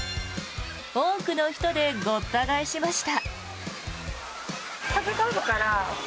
多くの人でごった返しました。